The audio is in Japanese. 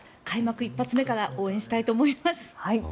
開幕一発目から応援したいと思います。